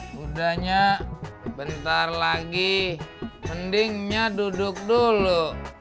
kudanya bentar lagi mendingnya duduk dulu